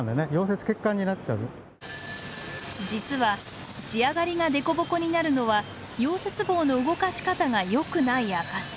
実は仕上がりが凸凹になるのは溶接棒の動かし方がよくない証し。